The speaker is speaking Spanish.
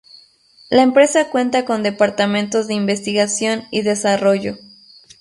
La empresa cuenta con departamentos de investigación y desarrollo.